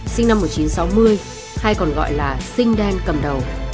sinh năm một nghìn chín trăm sáu mươi hay còn gọi là sinh đen cầm đầu